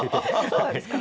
そうなんですか？